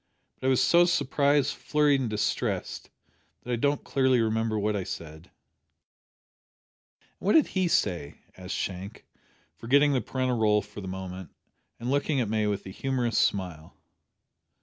But I was so surprised, flurried, and distressed, that I don't clearly remember what I said." "And what did he say?" asked Shank, forgetting the parental role for a moment, and looking at May with a humorous smile.